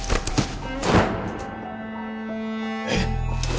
えっ？